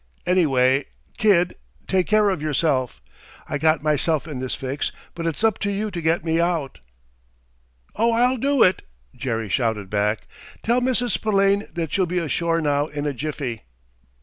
Anyway, kid, take care of yourself! I got myself in this fix, but it's up to you to get me out!" "Oh, I'll do it!" Jerry shouted back. "Tell Mrs. Spillane that she'll be ashore now in a jiffy!"